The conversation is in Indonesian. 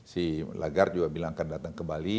si lagar juga bilang akan datang ke bali